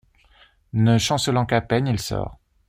Ne chancelant qu’à peine, il sort.